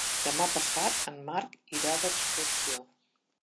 Demà passat en Marc irà d'excursió.